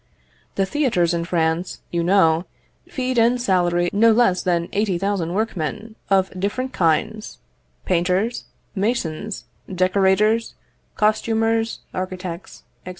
The theatres in France, you know, feed and salary no less than 80,000 workmen of different kinds; painters, masons, decorators, costumers, architects, &c.